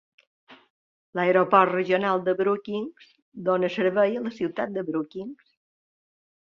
L'aeroport regional de Brookings dóna servei a la ciutat de Brookings.